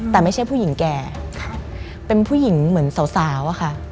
แต่ไม่ใช่ผู้หญิงแก่เป็นผู้หญิงเหมือนสาวอะค่ะ